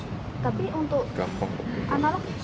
tapi untuk analog dimatikan gak sih mas